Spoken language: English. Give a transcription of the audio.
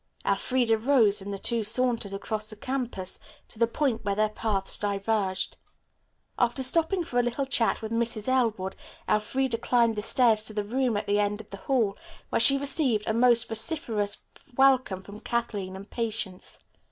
Elfreda rose, and the two sauntered across the campus to the point where their paths diverged. After stopping for a little chat with Mrs. Elwood, Elfreda climbed the stairs to the room at the end of the hall, where she received a most vociferous welcome from Kathleen and Patience.